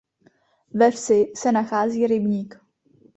Ve vsi se nachází rybník.